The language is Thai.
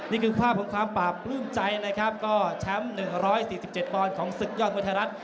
นี่คือภาพของความปราบปลื้มใจนะครับก็แชมป์๑๔๗ปอนด์ของศึกยอดมวยไทยรัฐ